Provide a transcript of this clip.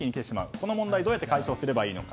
この問題をどうやって解消すればいいか。